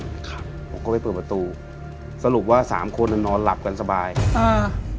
ครับผมก็ไปเปิดประตูสรุปว่าสามคนอ่ะนอนหลับกันสบายอ่า